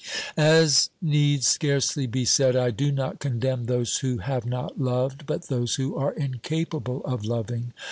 As needs scarcely be said, I do not condemn those who have not loved, but those who are incapable of loving.